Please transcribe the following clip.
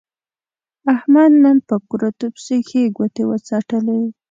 احمد نن په کورتو پسې ښې ګوتې و څټلې.